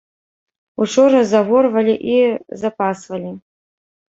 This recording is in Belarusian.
Учора заворвалі і запасвалі.